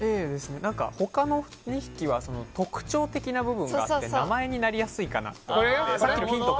他の２匹は特徴的な部分があって名前になりやすいかなと思って。